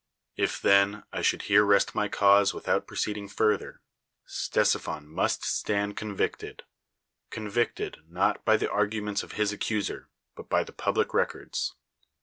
If, then, I should here rest my cause without [)roceeding fui'thci , (•tesi])hon must stand (iou victed — convicted, nol by tin; arguments of his accuser, but by the public records.